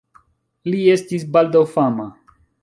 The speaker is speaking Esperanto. Li estis baldaŭ fama.